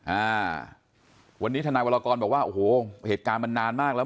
อ่าวันนี้ทนายวรกรบอกว่าโอ้โหเหตุการณ์มันนานมากแล้ว